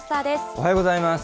おはようございます。